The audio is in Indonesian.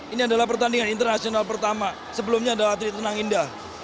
ini adalah pertandingan internasional pertama sebelumnya adalah atlet tenang indah